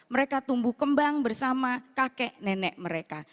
mereka tumbuh kembang bersama kakek nenek mereka